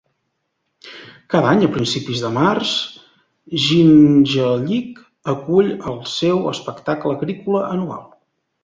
Cada any a principis de març Jingellic acull el seu espectacle agrícola anual.